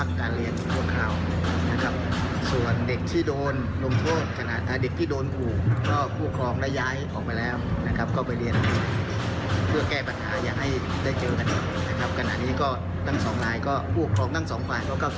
ขณะนี้ก็ตั้งสองลายก็ผู้หกครองตั้งสองฝ่ายก็เข้าใจด้วยครับ